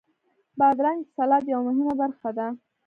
بادرنګ د سلاد یوه مهمه برخه ده.